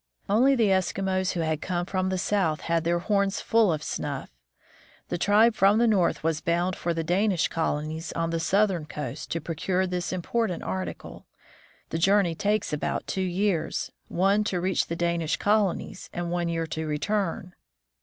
Only the Eskimos who had come from the south had their horns full of snuff. The tribe from the north was bound for the Danish colonies on the southern coast, to procure this important article. The journey takes about two years, one year to reach the Danish colonies, and one year to return.